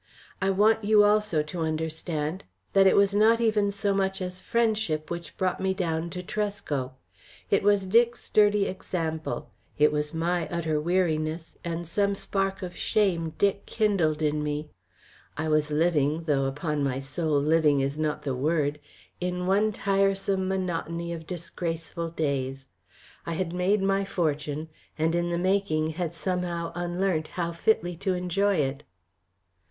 I want you also to understand that it was not even so much as friendship which brought me down to Tresco. It was Dick's sturdy example, it was my utter weariness, and some spark of shame Dick kindled in me. I was living, though upon my soul living is not the word, in one tiresome monotony of disgraceful days. I had made my fortune, and in the making had somehow unlearnt how fitly to enjoy it."